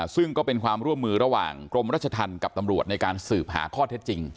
ซึ่งก็เป็นความร่วมมือระหว่างกรมรัชธรรมกับตำรวจในการสืบหาข้อเท็จจริง